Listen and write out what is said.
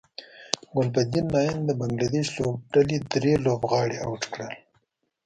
ګلبدین نایب د بنګلادیش لوبډلې درې لوبغاړي اوټ کړل